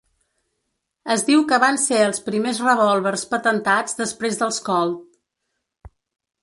Es diu que van ser els primers revòlvers patentats després dels Colt.